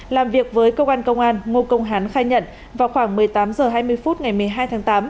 làm việc với cơ quan công an ngô công hán khai nhận vào khoảng một mươi tám h hai mươi phút ngày một mươi hai tháng tám